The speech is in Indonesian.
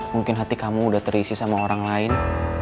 mungkin hati kamu udah terisi sama orang lain